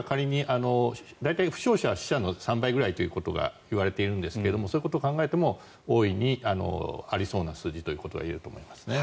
大体、負傷者は死者の３倍ぐらいということが言われているんですがそういうことを考えても大いにありそうな数字だといえると思いますね。